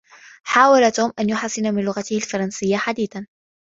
حاول توم أن يحسن من لغته الفرنسية حديثا.